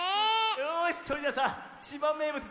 よしそれじゃさ千葉めいぶつ